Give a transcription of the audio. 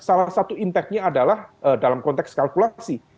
salah satu impactnya adalah dalam konteks kalkulasi